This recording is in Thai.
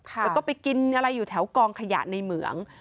แล้วก็ไปกินอะไรอยู่แถวกองขยะในเหมือง